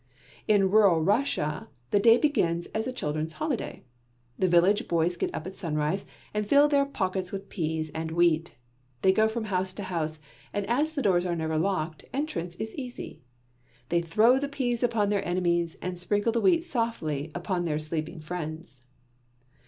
In rural Russia, the day begins as a children's holiday. The village boys get up at sunrise and fill their pockets with peas and wheat. They go from house to house and as the doors are never locked, entrance is easy. They throw the peas upon their enemies and sprinkle the wheat softly upon their sleeping friends.